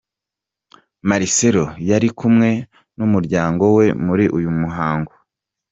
Marcelo yari kumwe n’umuryango we muri uyu muhango.